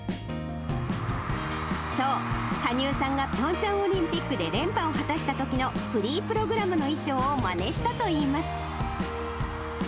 そう、羽生さんがピョンチャンオリンピックで連覇を果たしたときのフリープログラムの衣装をまねしたといいます。